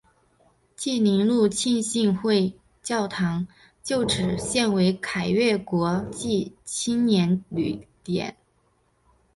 济宁路浸信会教堂旧址现为凯越国际青年旅馆。